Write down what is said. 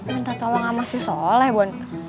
minta tolong sama si soleh bun